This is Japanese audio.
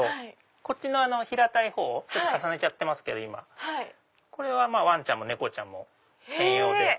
こっちの平たいほう重ねちゃってますけどこれはわんちゃんも猫ちゃんも兼用で。